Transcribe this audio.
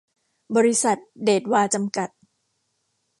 บริษัท เดชวา จำกัด